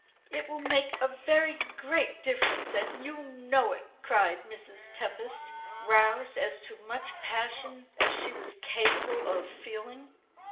"It will make a very great difference; and you know it!" cried Mrs. Tempest, roused to as much passion as she was capable of feeling.